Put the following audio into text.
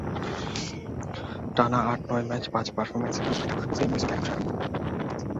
টানা আট-নয় ম্যাচ বাজে পারফরম্যান্সের কারণে স্ট্রাইকার ওসেই মরিসনকে একাদশেই রাখেননি কোচ।